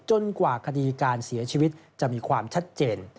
กว่าคดีการเสียชีวิตจะมีความชัดเจน